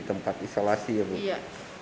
tempat isolasi iya